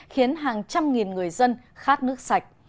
khiến hàng trăm nghìn người dân khát nước sạch